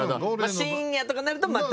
深夜とかになるとまた。